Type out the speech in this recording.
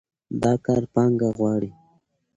دا کار پانګه غواړي.